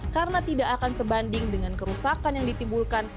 karena tidak akan sebanding dengan kerusakan yang ditimbulkan